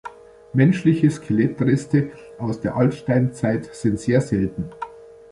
Menschliche Skelettreste aus der Altsteinzeit sind sehr selten.